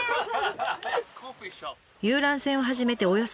遊覧船を始めておよそ１年。